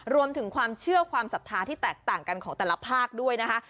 รวมถึงความเชื่อความศรัทธาที่แตกต่างกันของแต่ละภาคด้วยนะคะ